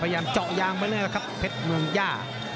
พยายามเจาะยางไปเลยล่ะครับเพชรเมืองย่า